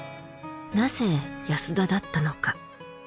なぜ安田だったのか。